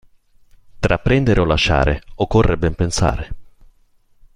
Tra prendere o lasciare occorre ben pensare.